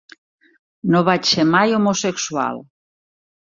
No vaig ser mai homosexual.